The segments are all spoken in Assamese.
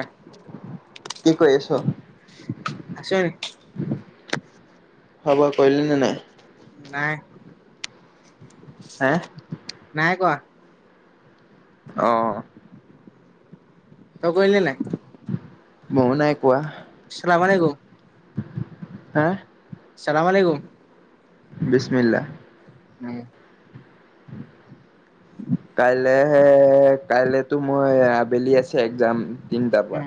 এহ কি কৰি আছ খোৱা আছোন খোৱা বোৱা কৈলিনে নাই। নাই হে নাই কৱা অ' তই কৈলি নাই মউ নাই কোৱা। চালামালে গোম হা চালামআলেকুম বিছ্মিল্লাহ হয় [unintelligible] কাইলৈ হয় কাইলেতো মোৰ আবেলি আছে এক্জাম। তিনিটা পোৱা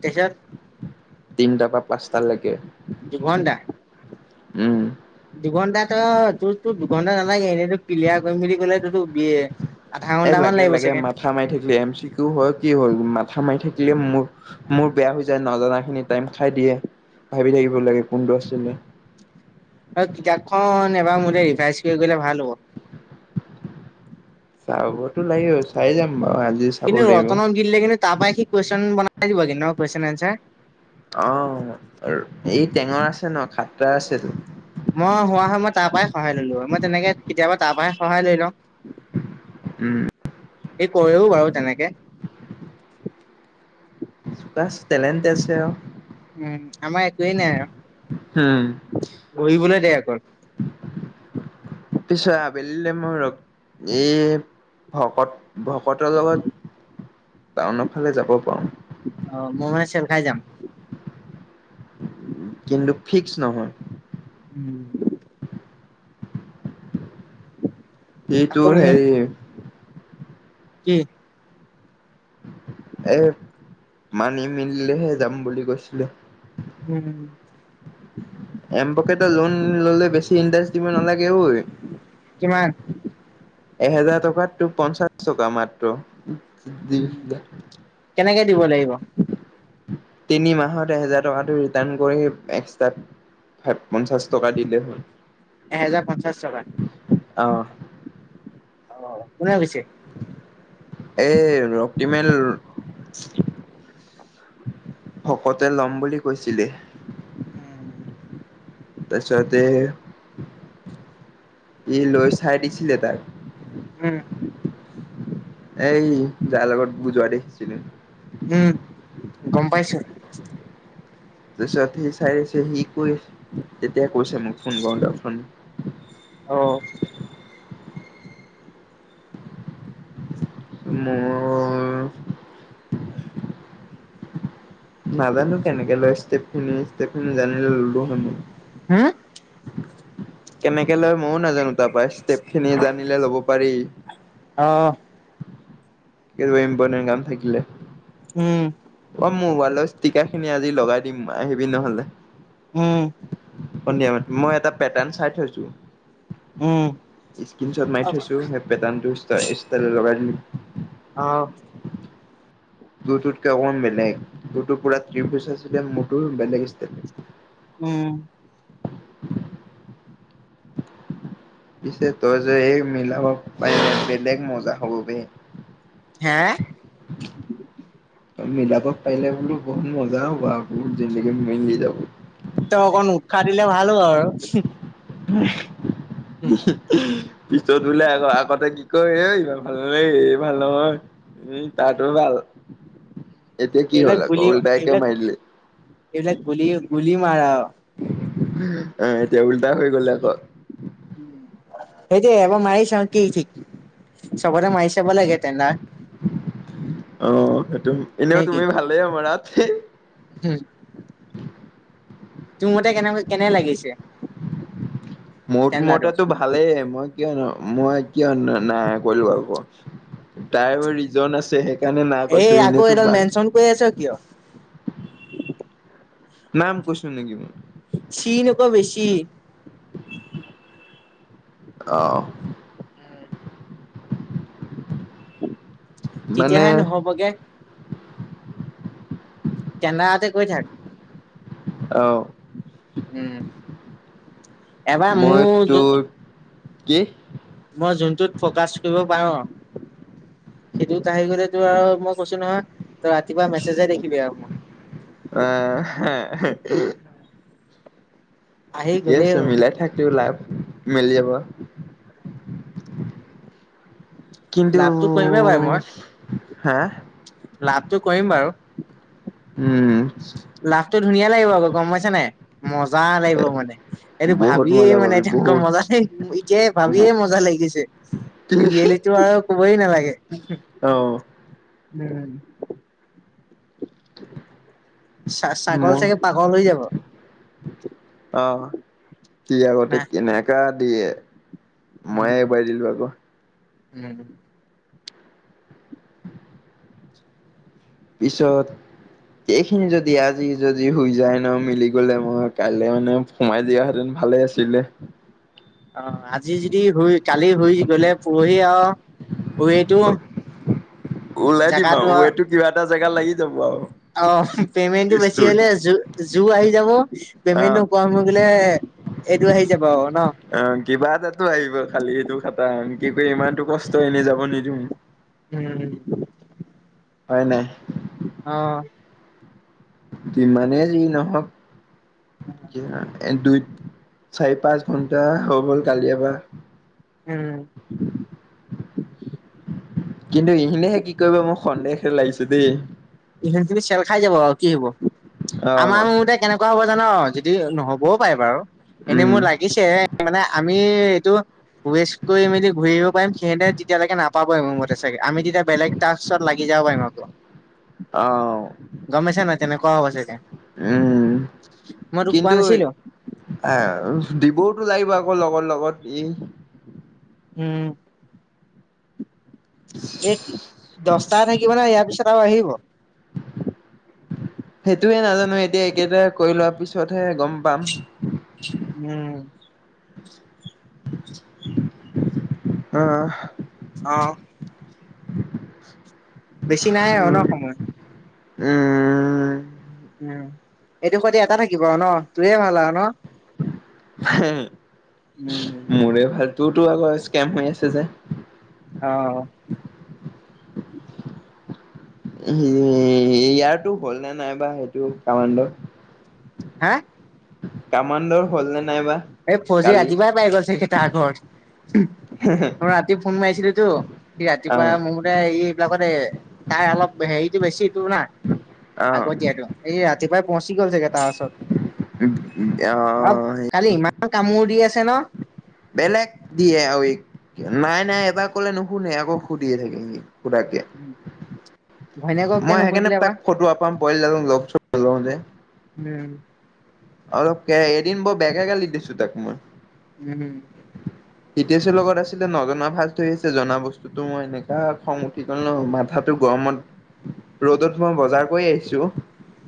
তেইচাত। তিন টকাত। পাঁচটালৈকে দুঘন্টা উম। ত তোৰ তো দুঘন্টা নালাগে এনে এইটো পিলিয়াৰ কৰিম বুলি ক'লে তটো বি এ এ লাগে লাগে মাথা মাৰি থাকিলি এম চি কিউ হয় কি হ'ল মাথা মাৰি থাকিল মোৰ মোৰ বেয়া হৈ যায় নজনা খিনি টাইম খাই দিয়ে ভাবি থাকিব লাগে কোনটো আছিলে অ কিতাপখন এবাৰ মতে ৰিভাইজ কৰি গলে ভাল হ'ব চাবতো লাগিব চাই যাম বাৰু আজি চাব কিন্তু লাগিব ৰতনত দিলে কিন্তু তাৰ পৰাই সি কুৱেচন বনাই আজি ব ন কুৱেচন এনছাৰ অ সেইটো মই হোৱা হয় মই তাৰ পৰাই সহায় ললো হয় মই তেনেকে কেতিয়াবা তাৰ পৰাই সহায় লৈ লওঁ উম কয়ো বাৰু তেনেকে চোকা টেলেণ্ট আছে আৰু উম আমাৰ একো নাই উম। আৰু বহিবলৈ দে আকৌ পিছত আবেলিলে মোৰ এই ভকত ভকতৰ লগত টাউনৰ ফালে যাব পাৰো অ মই মানে চেল খাই যাম কিন্তু ফিক্স নহয় উম এই আকৌ তোৰ মোক হেৰি কি এ মানি মেলিলেহে যাম বুলি কৈছিলো উম এম পকেটৰ লোন ল'লে বেছি ইনটাচ্ দিব নালাগে ঐ কিমান এহেজাৰ টকাতো পনচাছ চকা মাত্ৰ, উম, [unintelligible] কেনেকে দিব লাগিব। [unintelligible] তিনি মাহত এহেজাৰ টকাটো ৰিটাৰ্ণ কৰি, এক্সট্ৰা পঞ্চাছ টকা দিলে হ'ল। এহেজাৰ পঞ্চাশ টকা। অ অ' কোনে কৈছে? এই ৰক্তিমেল [unintelligible] ভকতে ল'ম বুলি কৈছিলে। তাৰপিছতে ই লৈ চাই দিছিলে তাক। উম, এই যাৰ লগত বুজোৱা দেই ছিলে উম' গম পাইছোঁ। তাৰপিছত সি চাই আছে, সি কৰি আছে তেতিয়া কৈছে মোক ফোন কৰোঁতে, ফোন অ' মই নাজানোঁ, কেনেকে লয় ষ্টেফখিনি-ষ্টেফখিনি জানিলে ল'লো হয়। হা? কেনেকে লৈ ময়ো নাজানো তাৰ পাৰ ষ্টেপ খিনি জানিলে লব পাৰি অ কি ইম্পটেন কাম থাকিলে উম অ মো মোবাইলৰ ষ্টিকা খিনি আজি লগাই দিম আহিবি নহলে উম, সন্ধিয়া টাইমত মই এটা পেটাৰ চাই থৈছো উম, ইচকিনচত মাৰি থৈছো সেই পেটাৰ্ণ তই ষ্টাইলত লগাই দিলি অ তো তোকতকে অকণ বেলেগ তোতো পুৰা ত্ৰিপুছ আছিলে মোৰটো বেলেগ ষ্টাইল উম পিছে তই যে এই মিলাব পাৰিলে বেলেগ মজা হ'ব বে হে তই মিলাব পাৰিলে মানে টো বহুত মজা হ'ব আকৌ যিন্দাগি মিলি যাব তই অকণ উৎসাহ দিলে ভাল আৰু [unintelligible] উম পিছত বোলে আক আগতে কি কয় এই ইমান ভাল নালাগেই ই ভাল নহয় উম তাতো ভাল এতিয়া কি এইবিলাক হ'ল আকৌ গুলি উল্টাইকে এইবিলাক মাৰি দিলি। এইবিলাক গুলি-গুলি মাৰা এ এতিয়া উল্টা হৈ গ'লে আকৌ সেইটো এবাৰ মাৰি চাওঁ কি ঠিক, চবতে মাৰি চাব লাগে টেণ্ডাৰ। অঁ সেইটো নে এনেও কি তুমি ভালেই মাৰাত। তোৰ মতে কেনে-কেনে লাগিছে। মোৰ টেণ্ডাৰটো? মতেটো ভালেই, মই কিয়নো মই কিয় নাই ক'লো আকৌ, তাৰো ৰিজন আছে সেইকাৰণে নাই কৈছো, এই আকৌ এনেতো এইডাল বাক মেনচন কৰি আছ কিয়? নাম কৈচো নেকি মই। চী নকবি চি। অঁ। তেতিয়াহে নহ'বগে। টেণ্ডাৰতে কই থাক। অঁ। উম, এবাৰ মই মোৰ জো তোৰ কি কৰিব পাৰো সেইটোত আহি গ'লেতো আৰু মই কৈছো নহয় তই ৰাতিপুৱা মেছেজে দেখিবি আৰু মোৰ। আহ ঠিকে আছে মিলাই থাক তেওঁ লাভ মিলি যাব। [inaudible] কিন্তু লাভটো কৰিমেই বাৰু মই, হা লাভটো কৰিম বাৰু। উম। লাভটো ধুনীয়া লাগিব আকৌ, গম পাইছা নাই। মজা লাগিব মানে, এইটো বহুত ভাবিয়ে মজা মানে পাবি তেনেকুৱা বহুত মজা এতিয়াই ভাবিয়ে মজা লাগিছে ৰিয়েলিতো আৰু ক'বই নালাগে। আহ উম। চা ছাগল মই, চাগে পাগল হৈ যাব অঁ সি আগতে না। কেনেকা দিয়ে। মইয়ে উম, এবাৰ দিলো আকৌ। উম। পিছত এইখিনি যদি আজি যদি হৈ যায় ন, মিলি গ'লে মই কাইলৈ মানে সোমাই দিয়াহেঁতেন ভালে আছিলে। অঁ আজি যদি হৈ কালি হৈ গ'লে পৰহি আৰু পৰহিটো ওলাই দিম আও ৱেটো কিবা এটা জেগা লাগি যাব আৰু। অঁ পেইমেণ্টটো বেছি ইচটোৰ হলে জো জোৰ আহি যাব, পেমেন্টটো অ'। কম হৈ গ'লে এইটো আহি যাব। ন। অ', কিবা এটাতো আহিব খালি সেইটো খটাং। কি কৰি ইমানটো কষ্ট এনে যাব নিদিওঁ। উম, উম, উম। হয় নাই। অ'। যিমানেই যি নহওঁক কিনা এ দুই, চাৰি, পাঁচ ঘণ্টা হৈ গ'ল কালিৰ পৰা। উম। কিন্তু এইখিনিহে কি কৰিব মোক সন্দেহে লাগিছে দেই। এইখিনি তুমি চেল খাই যাব আৰু কি হ'ব। আমাৰ অ'। মোৰতে কেনেকুৱা হ'ব জান যদি নহ'বও পাৰে বাৰু। এনেই উম, মোৰ লাগিছে মানে আমি এইটো ৱেষ্ট কৰি মেলি ঘূৰি আহিব পাৰিম। সিহঁতে তেতিয়ালৈকে নাপাব পি মোৰ মতে চাগে আমি তেতিয়া বেলেগ টাক্সত লাগি যাব পাৰিম আকৌ। অ'। গম পাইছা নাই তেনেকুৱা হ'ব চাগে। উম মই তোক কোৱা কিন্তু, নাছিলো ‌ এ দিবতো লাগিব আ মোৰ লগৰ লগত ই উম। এই দহটা থাকিব ন ইয়াৰ পিছত এটাও আহিব সেইটোয়ে নাজানো এতিয়া একেটাই কৰি লোৱা পিছতহে গম পাম। উম। [inaudible] অ'। অ'। [inaudible] বেছি নাই আৰু ন সময়? উম। উ এইটো থাকি এটা থাকিব ন? তোৰেই ভাল আৰু ন? উম মোৰে ভাল। তোৰতো আকৌ স্কেম হৈ আছে যে। অ'। [unintelligible] ইয়াৰতো হ'ল নে নাইবা সেইটো কামাণ্ড হা! কামাণ্ডৰ হ'ল ন এই ফজি ৰাতিপুৱাই পাই গৈছে। আগৰ অ ৰাতি ফোন মাৰিছিলি সি ৰাতিপুৱা আহ মুৰে এই বিলাকতে তাই অলপ হেৰিটো বেছিটো না আহ আগতিয়াটো এইয়া [unintelligible] পচি গল চাগে তাৰ ওচৰত আৰু আহ কালি ইমা কামোৰ দি আছে ন। বেলেগ দিয়ে আৰু এইক নাই নাই এবাৰ কলে নুশুনে আকৌ সুধিয়ে থাকে সি সুধা কিয়া? ঘৈণীয়েকক কিয় মই সেইকাৰণে নুসুধিলে বা তাক ফটোৱা পাম পাইলাল লগ চগ নলও যে উম অলপকে এদিন বৰ বৰ বেয়াকে গালি দিছো তাক মই। উম। ইটেছ লগত আছিলে নজনা ভাজ ধৰি আছে জনা বস্তুতটো মই এনেকাা খং উঠি গল ন মাথাটো গৰমত ৰ'দত মই বজাৰ কৰি আহিছো।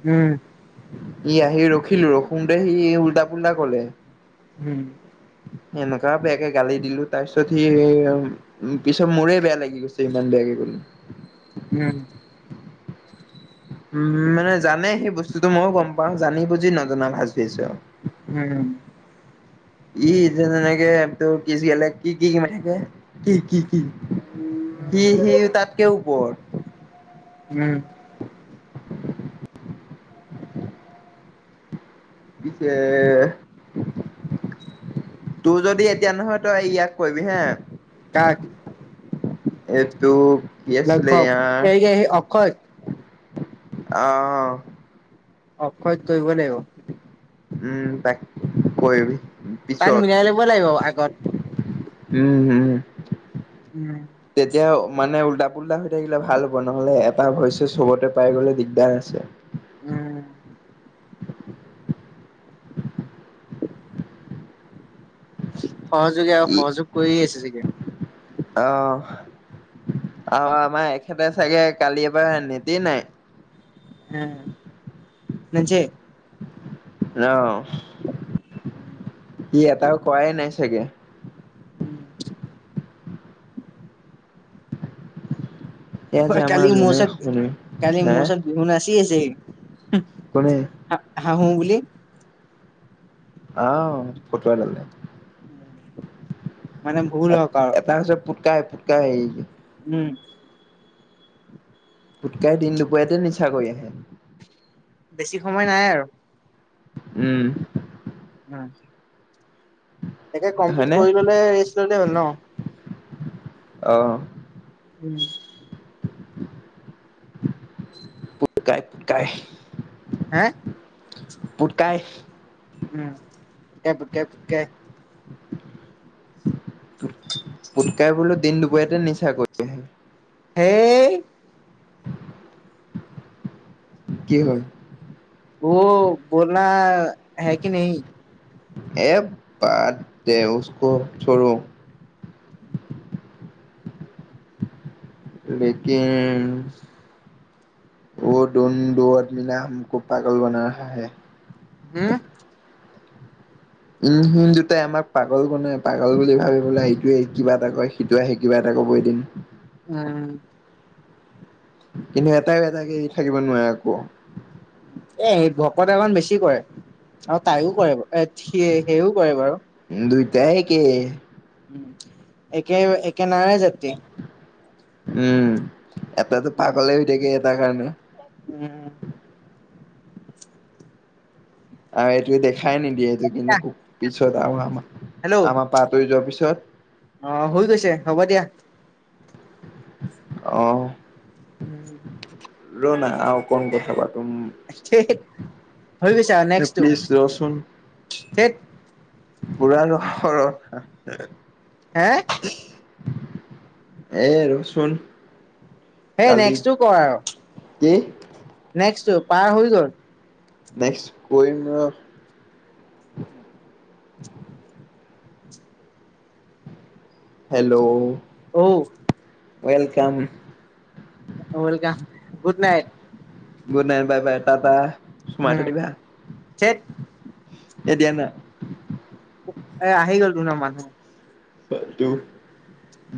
উম ই আহি ৰ খিলো। পোনটে সি উল্টা পুল্টা কলে উম সেনেকুৱা বেয়াকে গালি দিলো তাৰ পিছত সি পিছত মোৰে বেয়া লাগি গৈছে ইমান বেয়াকে কলো উম উম মানে জানে সেই বস্তুতো মইয় গম পাওঁ জানি বুজি নজনা ভাজ ধৰিছে আও উম ই যে যেনেকে তোৰ কিচ গলে কি কি কিম থাকে কি কি কি সি সি তাতকৈ ওপৰ উম পিছে তোৰ যদি এতিয়া নহয় তই ইয়াক কবি হে কাক এইটো কি আছিলে লক্ষক ইয়ে ইয়ে অক্ষক অহ অক্ষয়ক কৰিব লাগিব উম তাক কয়বি তাইক মিলাই ল'ব লাগিব আগত উম হম উম তেতিয়া মানে উলটা কুলা হৈ থাকিলে ভাল হ'ব নহ'লে এটা ভইচে চবতে পাই গলে দিগদাৰ আছে উম সহযোগে আৰু ই সহযোগ কৰিয়ে আছে চাগে [inaudible] আহ আৰু আমাৰ এখেতে চাগে কালি এ পৰা নেতি নাই। আহ নজয়' আহ স এটাও কোৱ নাই চাগে। উম'। এয়া যে আমাৰ কালি মোৰ যোনে ওচৰত, শুনে কালি হে মোৰ ওচৰত বিহু নাচি আছে। কোনে হাহো বুলি। কি? আহ ফটো লে। মানে ভুল এ হওক আৰু এটা হৈছে পুটকাই- ক' উম। পুটকাই দিন দুপৰীয়াতে নিচা কৰি আহে। বেছি সময় নাই আৰু। উম। অ। একে কমপ্লিট হয়নে কৰি ললে, ৰেষ্ট ললে হ'ল ন? অহ। উম। পুটুকাই পুটকাই হে? পুটকাই। উম কেপ কেপ কে। পুটকাই [inaudible] পুটকাই বোলো দিন দুপৰীয়াতে নিচা কৰি আহে। সেই কি হয়? ৱৌ বলনা হে কি নায়ি? এ বাট দে উছকো ছৰৌ। লেকিন ৱৌ দন দৌৱাত মিলা হামকৌ পাগল বনা ৰাহা হে। হম। ই সি দুটাই আমাক পাগল বনাই পাগল বুলি ভাবি পেলাই সেইটোৱে কিবা এটা কয়, সিটোৱে আহি কিবা এটা কব এ দিম উম। কিন্তু এটাই এটাইে থাকিব নোৱাৰে আৌ। [inaudible] এ ভকত এলমান বেছি কৰে আৰু তাইও কৰে। এ সিয় সেইও কৰে বাৰু। দুইটাই একে উম একে কেনাৰে যাে। [inaudible] উম'। এটাতো পাগলে হৈ থাকে এটা অ' ন! উম [unintelligible] আৰু এইটোকে দেখাই নিদিয়ে। [unintelligible] [unintelligible] হেল্ল', আমাৰ পৰা আঁতৰি যোৱাৰ পিছত অ', হৈ গৈছে, হ'ব দিয়া। অ'। উম। ৰ'না আৰু অকন কথা পাত। [unintelligible] হৈ গৈছা আৰু এ নেক্সটো, প্লিজ ৰচোন থেত। পুৰা [unintelligible] হে। এ, ৰ'চোন। সেই কালি নেক্সটো কৰ আৰু, কি নেক্সটো পাৰ হৈ গ'ল। নেক্স কৰিম ৰ'। হেল্ল'? অউ। ৱেলকাম। Welcome, good night. বাহ বে পাপা উম, চেত এ দিয়া না। [unintelligible] মানহে। তটো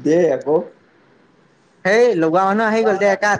দে আকৌ। সেই লগোৱা হন হৈ গ'ল তে একা